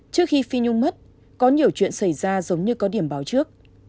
trước khi phi nhung mất có nhiều chuyện xảy ra giống như có điểm báo trước